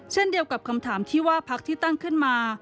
เช่นเดียวกับคำถามที่ว่าพักที่ตั้งขึ้นมา